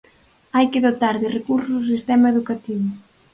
Hai que dotar de recursos o sistema educativo.